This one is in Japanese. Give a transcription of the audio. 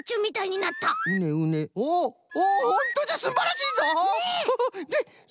うねうねおほんとじゃすんばらしいぞ！